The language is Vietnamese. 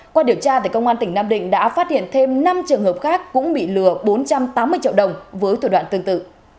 qua điều tra công an tỉnh nam định đã phát hiện thêm năm trường hợp khác cũng bị lừa bốn trăm tám mươi triệu đồng với thủ đoạn tương tự